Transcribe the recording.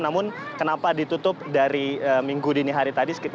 namun kenapa ditutup dari minggu dini hari tadi